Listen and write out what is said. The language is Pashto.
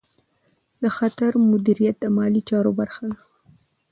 د خطر مدیریت د مالي چارو برخه ده.